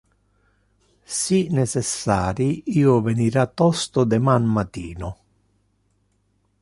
Si necessari, io venira tosto deman matino.